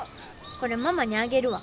これママにあげるわ。